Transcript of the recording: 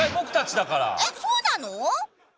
えっそうなの？